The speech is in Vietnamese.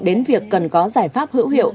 đến việc cần có giải pháp hữu hiệu